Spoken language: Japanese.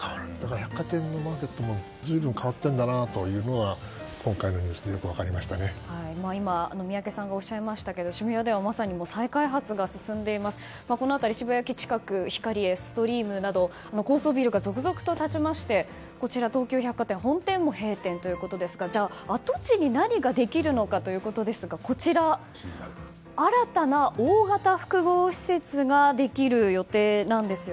百貨店のマーケットもずいぶん変わったというのが今回のニュースで今、宮家さんがおっしゃいましたが渋谷ではまさに再開発が進んでいますが渋谷駅近くにはヒカリエやストリームなど高層ビルが続々と建ちまして東急百貨店本店も閉店ということですから跡地に何ができるのかということですが新たな大型複合施設ができる予定なんです。